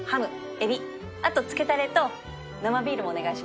あとつけタレと生ビールもお願いします。